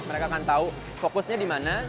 mereka akan tahu fokusnya di mana